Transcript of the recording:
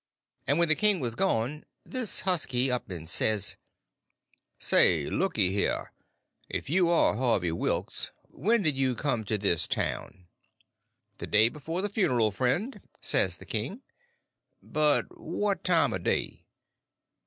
And when the king got done this husky up and says: "Say, looky here; if you are Harvey Wilks, when'd you come to this town?" "The day before the funeral, friend," says the king. "But what time o' day?"